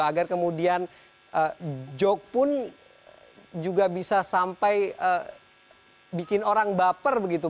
agar kemudian joke pun juga bisa sampai bikin orang baper begitu